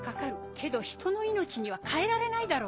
けど人の命には代えられないだろ。